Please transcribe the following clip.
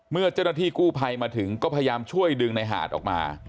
เมื่อเจ้าหน้าที่กู้ภัยมาถึงก็พยายามช่วยดึงในหาดออกมา